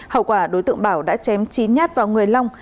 hậu quả đối tượng bảo đã chém chín nhát vào người long